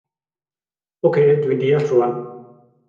Oce dwi'n deall rŵan.